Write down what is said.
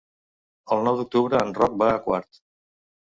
El nou d'octubre en Roc va a Quart.